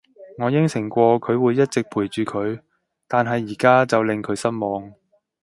我應承過佢會一直陪住佢，但係而家就令佢失望